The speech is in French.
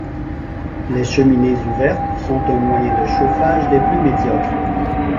Les cheminées ouvertes sont un moyen de chauffage des plus médiocres.